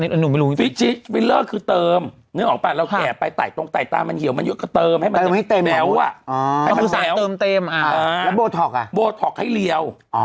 อันนี้หนูไม่รู้เงียบที่สิครับและนั่นเนี่ยตรงใต้ตามันเหี่ยวใช่มั้ย